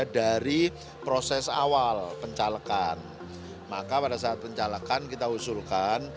dari proses awal pencalekan maka pada saat pencalekan kita usulkan